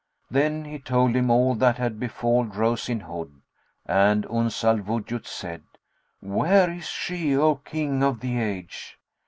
Then he told him all that had befalled Rose in Hood; and Uns al Wujud said, "Where is she, O King of the age?"